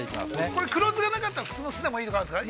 ◆これ黒酢がなかったら普通の酢でもいいとかあるんですか。